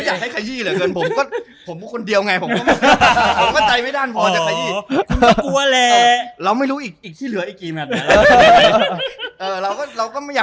อยากให้ขยี่เหรอกันผมก็คนเดียวไงผมก็ใจไม่ได้พอจากขยี่